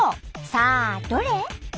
さあどれ？